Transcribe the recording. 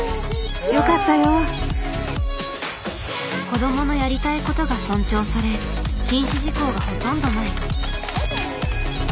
「子どものやりたいこと」が尊重され禁止事項がほとんどない。